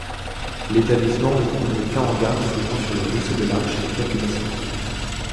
L'établissement ne comprenait qu'un hangar s'ouvrant sur le ruisseau de l'Arche et quelques bâtiments.